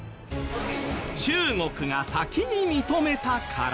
中国が先に認めたから！？